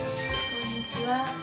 こんにちは。